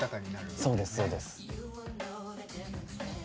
そうですそうです。